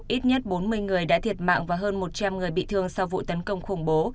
ít nhất bốn mươi người đã thiệt mạng và hơn một trăm linh người bị thương sau vụ tấn công khủng bố